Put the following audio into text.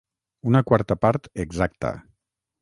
Una quarta part exacta.